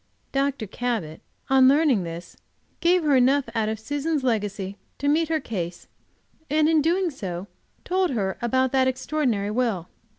Dr. Cabot, on learning this, gave her enough out of Susan's legacy to meet her case, and in doing so told her about that extraordinary will.